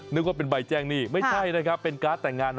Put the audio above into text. นึกว่าเป็นใบแจ้งหนี้ไม่ใช่นะครับเป็นการ์ดแต่งงาน